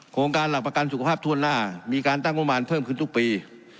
โครงการหลักประกันสุขภาพทั่วหน้ามีการตั้งงบประมาณเพิ่มขึ้นทุกปี